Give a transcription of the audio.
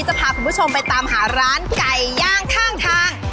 จะพาคุณผู้ชมไปตามหาร้านไก่ย่างข้างทาง